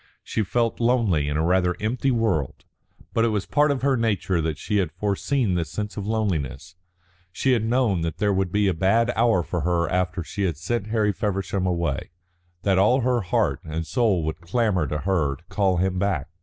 She felt lonely in a rather empty world. But it was part of her nature that she had foreseen this sense of loneliness; she had known that there would be a bad hour for her after she had sent Harry Feversham away, that all her heart and soul would clamour to her to call him back.